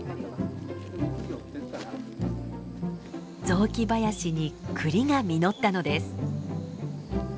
雑木林に栗が実ったのです。